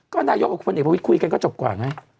ก็นายกกับคนเอกประวิทย์คุยกันก็จบกว่าไง